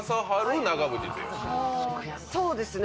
そうですね